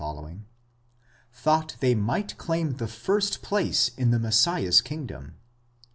thought they might claim the first place in the Messiah's kingdom.